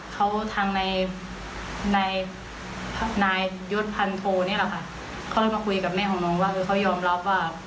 เขาทางนายนายยศพันโทนี่แหละค่ะเขาเลยมาคุยกับแม่ของน้องว่าคือเขายอมรับว่า